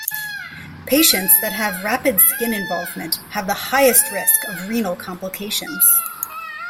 Patients that have rapid skin involvement have the highest risk of renal complications.